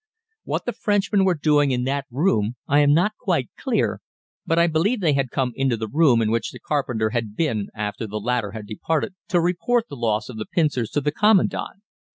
What the Frenchmen were doing in that room I am not quite clear, but I believe they had come into the room in which the carpenter had been after the latter had departed to report the loss of the pincers to the Commandant.